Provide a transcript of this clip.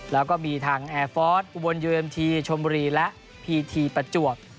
แล้วก็มีทางแอร์ฟอร์สอุบลยูเอ็มทีชมบุรีและพีทีประจวบ